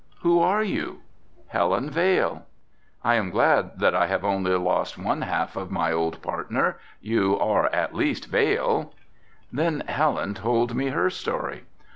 "Who are you?" "Helen Vail." "I am glad that I have only lost one half of my old partner, you are at least Vail." Then Helen told me her story.